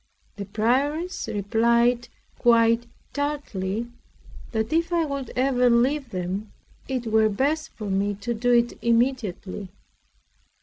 The prioress replied quite tartly, that if I would ever leave them it were best for me to do it immediately.